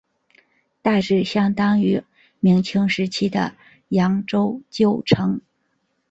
大致相当于明清时期的扬州旧城。